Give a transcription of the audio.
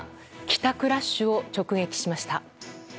帰宅ラッシュを直撃しました。